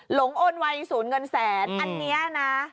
หลงโอนวัยศูนย์เงินแสนอันนี้นะ